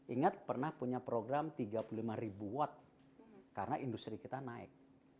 ingat pernah punya program rp tiga puluh lima karena industri kita naik